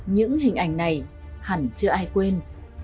những hình ảnh này hẳn chưa ai quên